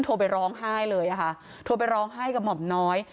โทรไปร้องไห้เลยค่ะโทรไปร้องไห้กับหม่อมน้อย